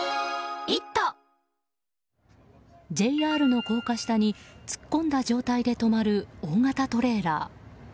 ＪＲの高架下に突っ込んだ状態で止まる大型トレーラー。